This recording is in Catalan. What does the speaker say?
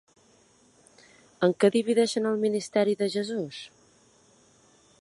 En què divideixen el ministeri de Jesús?